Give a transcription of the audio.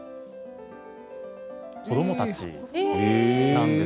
子どもたちなんです。